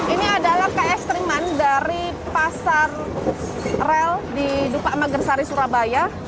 ini adalah keekstriman dari pasar rel di dupak magersari surabaya